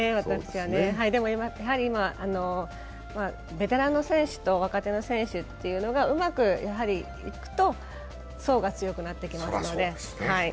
でも、ベテランの選手と若手の選手というのが、うまくいくと層が強くなってきますので。